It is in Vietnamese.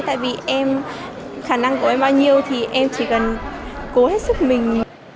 tại vì em khả năng của em bao nhiêu thì em chỉ cần cố hết sức mình